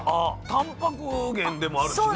たんぱく源でもあるしね。